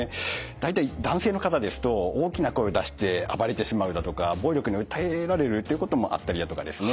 大体男性の方ですと大きな声を出して暴れてしまうだとか暴力に訴えられるっていうこともあったりだとかですね。